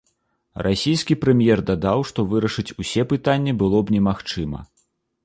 Расійскі прэм'ер дадаў, што вырашыць усе пытанні было б немагчыма.